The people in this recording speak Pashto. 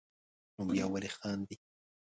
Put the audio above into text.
نو بیا ولې خاندې.